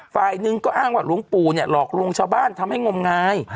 ฝ่ายหนึ่งก็อ้างว่าหลวงปู่เนี่ยหลอกลวงชาวบ้านทำให้งมงาย